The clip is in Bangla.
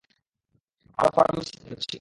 আমরা ফার্মেসিতে যাচ্ছি।